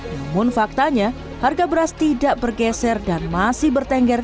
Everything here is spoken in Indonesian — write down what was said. namun faktanya harga beras tidak bergeser dan masih bertengger